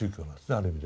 ある意味でね。